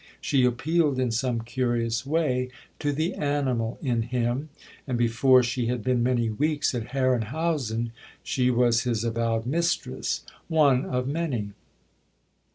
She appealed in some curious way to the animal in him; and before she had been many weeks at Herrenhausen she was his avowed mistress one of many.